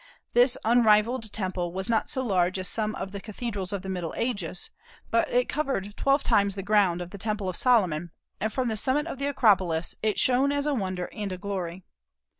This unrivalled temple was not so large as some of the cathedrals of the Middle Ages, but it covered twelve times the ground of the temple of Solomon, and from the summit of the Acropolis it shone as a wonder and a glory.